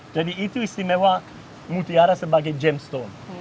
jadi itu istimewa mutiara sebagai gemstone